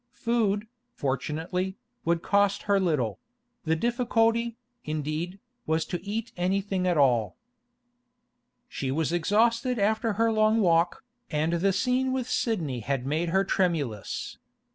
Food, fortunately, would cost her little; the difficulty, indeed, was to eat anything at all. She was exhausted after her long walk, and the scene with Sidney had made her tremulous.